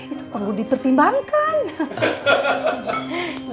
itu perlu dipertimbangkan